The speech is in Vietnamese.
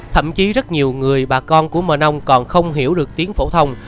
thậm chí rất nhiều người bà con của mờ ông còn không hiểu được tiếng phổ thông